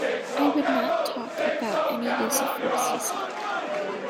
"I would not talk about any use of force", he said.